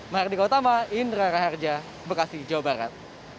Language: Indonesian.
mardika utama indra raharja bekasi jawa barat